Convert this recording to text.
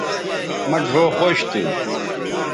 مہ ڙھؤ خوش تھو